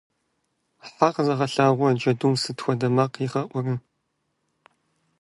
Хьэ къэзылъэгъуа джэдум сыт хуэдэ макъ игъэӀурэ?